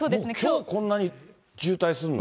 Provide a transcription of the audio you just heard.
きょうこんなに渋滞すんの？